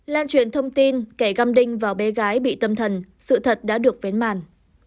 lan truyện thông tin kẻ găm đinh vào bé gái bị tâm thần sự thật đã được vến màn